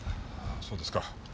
そうですか。